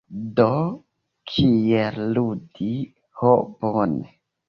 Do. "Kiel ludi". Ho bone.